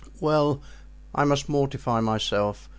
"Well, I must mortify myself.